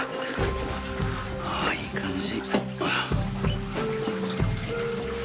ああいい感じ。